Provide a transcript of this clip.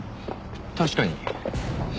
確かに。